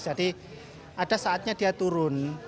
ada saatnya dia turun